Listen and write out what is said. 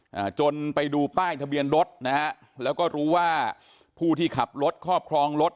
อ่าจนไปดูป้ายทะเบียนรถนะฮะแล้วก็รู้ว่าผู้ที่ขับรถครอบครองรถ